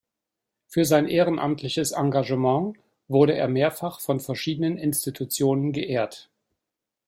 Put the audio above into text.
Für sein ehrenamtliches Engagement wurde er mehrfach von verschiedenen Institutionen geehrt.